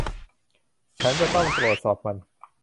ฉันจะต้องตรวจสอบมัน